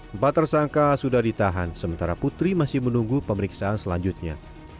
empat tersangka sudah ditahan sementara putri masih menunggu pemeriksaan selanjutnya